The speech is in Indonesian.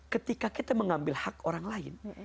ketika kita mengambil hak orang lain